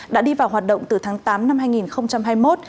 đã đi vào hoạt động từ tháng tám năm hai nghìn hai mươi một